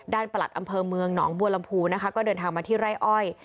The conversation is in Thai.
ประหลัดอำเภอเมืองหนองบัวลำพูนะคะก็เดินทางมาที่ไร่อ้อย